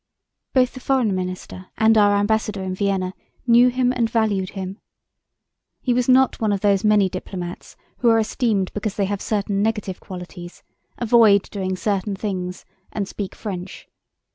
Both the foreign minister and our ambassador in Vienna knew him and valued him. He was not one of those many diplomats who are esteemed because they have certain negative qualities, avoid doing certain things, and speak French.